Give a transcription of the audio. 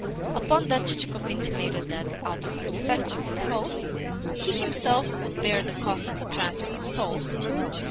Upon that Chichikov intimated that, out of respect for his host, he himself would bear the cost of the transfer of souls.